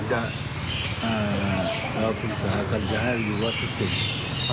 ค่ะแล้วพุธศพศักดิ์รภาพจะให้อยู่ในวัน๗วัน